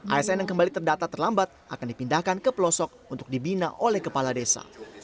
asn yang kembali terdata terlambat akan dipindahkan ke pelosok untuk dibina oleh kepala desa